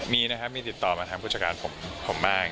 มีนะครับมีติดต่อมาทางผู้จัดการผมบ้าง